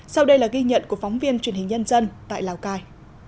sau đây là ghi nhận của phóng viên truyền hình nhân dân tại lào cai